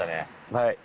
はい。